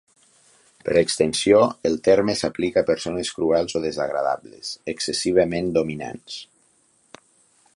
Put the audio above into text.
Per extensió, el terme s'aplica a persones cruels o desagradables, excessivament dominants.